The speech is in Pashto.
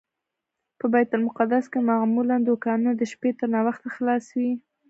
په بیت المقدس کې معمولا دوکانونه د شپې تر ناوخته خلاص وي.